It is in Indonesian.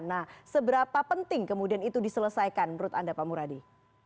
nah seberapa penting kemudian itu diselesaikan menurut anda pak muradi